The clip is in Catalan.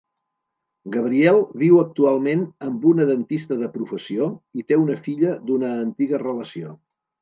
Gabriel viu actualment amb una dentista de professió i té una filla d'una antiga relació.